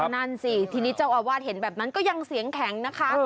นั่นสิทีนี้เจ้าอาวาสเห็นแบบนั้นก็ยังเสียงแข็งนะคะ